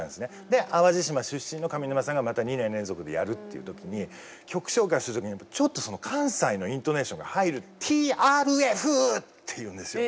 で淡路島出身の上沼さんがまた２年連続でやるっていう時に曲紹介する時にちょっとその関西のイントネーションが入る「ティーアールエフ」って言うんですよ。